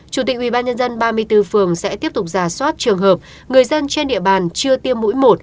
chủ tịch ubnd ba mươi bốn phường sẽ tiếp tục giả soát trường hợp người dân trên địa bàn chưa tiêm mũi một